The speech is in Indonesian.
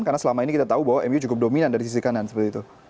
karena selama ini kita tahu bahwa mu cukup dominan dari sisi kanan seperti itu